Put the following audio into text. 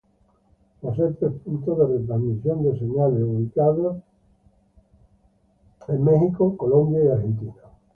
Posee tres puntos de retransmisión de señales, ubicados en California, Colombia y Argentina.